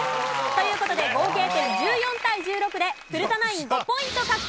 という事で合計点１４対１６で古田ナイン５ポイント獲得です。